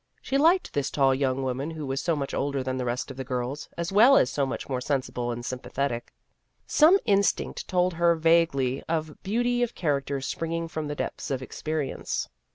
She liked this tall young woman who was so much older than the rest of the girls, as well as so much more sensible and sym pathetic. Some instinct told her vaguely of beauty of character springing from depths of experience.